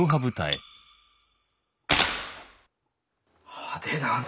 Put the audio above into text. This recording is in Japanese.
派手だね。